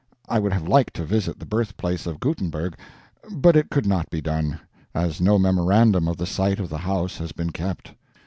I would have liked to visit the birthplace of Gutenburg, but it could not be done, as no memorandum of the site of the house has been kept.